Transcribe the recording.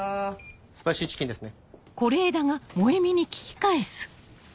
スパイシーチキンですね。